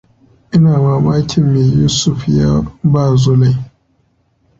Ina mamakin me Yusuf ya ba Zulai.